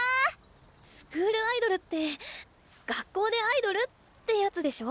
スクールアイドルって学校でアイドルってやつでしょ？